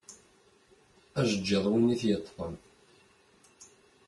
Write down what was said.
Ajeğğiḍ win i t-yeṭṭfen.